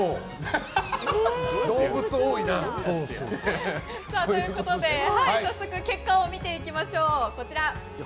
動物多いな。ということで、早速結果を見ていきましょう。